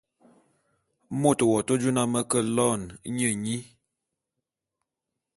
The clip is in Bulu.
Môt w'ake jô na me ke loene nye nyi.